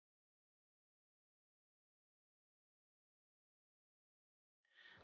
tapi dia juga bisa jadi dokter